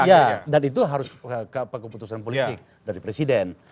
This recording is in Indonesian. iya dan itu harus keputusan politik dari presiden